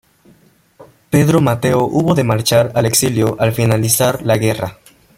Pedro Mateo hubo de marchar al exilio al finalizar la guerra.